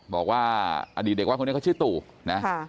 บอกว่าอดีตเด็กวัดคนนี้เขาชื่อตู่นะ